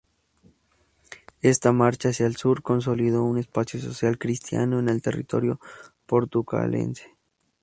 Esta marcha hacia el sur consolidó un espacio social cristiano en el territorio portucalense.